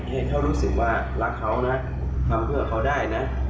ให้เขารู้สึกว่ารักเขานะทำเพื่อเขาได้นะ